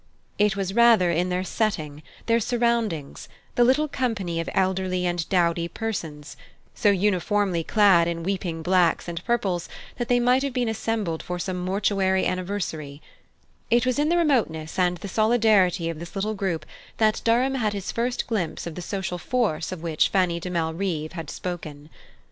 It was rather in their setting, their surroundings, the little company of elderly and dowdy persons so uniformly clad in weeping blacks and purples that they might have been assembled for some mortuary anniversary it was in the remoteness and the solidarity of this little group that Durham had his first glimpse of the social force of which Fanny de Malrive had spoken.